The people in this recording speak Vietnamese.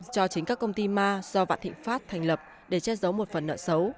cho chính các công ty ma do vạn thị phát thành lập để chết giấu một phần nợ xấu